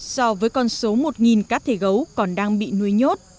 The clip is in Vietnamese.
so với con số một cá thể gấu còn đang bị nuôi nhốt